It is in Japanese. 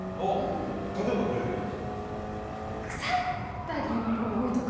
例えばどういうやつ？